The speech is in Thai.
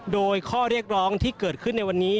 โดยข้อเรียกร้องที่เกิดขึ้นในวันนี้